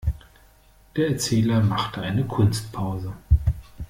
Der Erzähler machte eine Kunstpause.